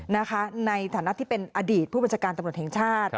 ในฐานะที่เป็นอดีตผู้บัญชาการตำรวจแห่งชาติ